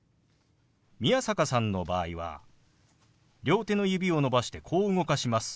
宮坂さんの場合は両手の指を伸ばしてこう動かします。